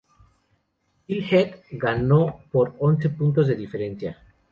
Phil Heath ganó por once puntos de diferencia.